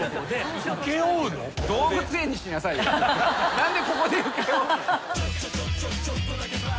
何でここで請け負うの。